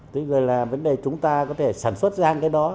tức là vấn đề chúng ta có thể sản xuất ra cái đó